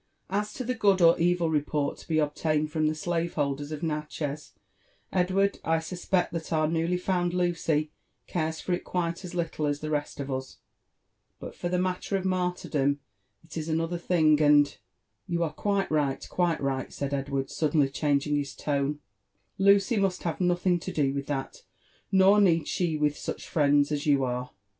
" As to the good or evil report to be obtained from the slave holders of Natchez, Edward, I suspect that our newly found Lucy cares for it quite as little as the rest of us : but for the matter of martyrdom, it is another thing, and "'' You are quite right, quite right," said Edward, suddenly changing • his tone; " Lucy must have nothing to do with thai — nor need she with such friends as you are."